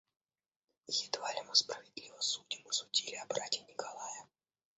И едва ли мы справедливо судим и судили о брате Николае.